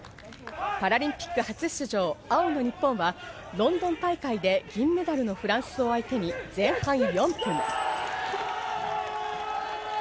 パラリンピック初出場、青の日本はロンドン大会で銀メダルのフランスを相手に前半４分。